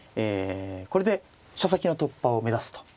これで飛車先の突破を目指すと。